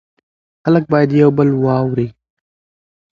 خلک باید یو بل واوري.